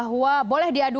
dipusul di satu